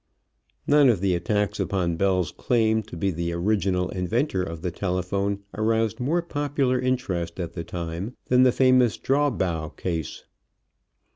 None of the attacks upon Bell's claim to be the original inventor of the telephone aroused more popular interest at the time than the famous Drawbaugh case.